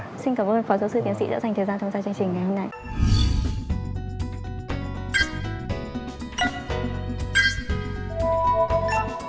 xin cảm ơn phó giáo sư tiến sĩ đã dành thời gian tham gia chương trình ngày hôm nay